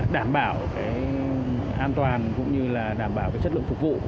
đảm bảo cái an toàn cũng như là đảm bảo chất lượng phục vụ